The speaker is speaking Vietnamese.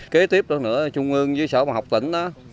kế tiếp đó nữa chung ương với sở bà học tỉnh đó